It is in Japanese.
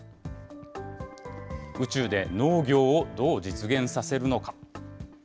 宇宙で農業をどう実現させるのか。